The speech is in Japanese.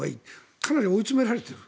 かなり追い詰められている。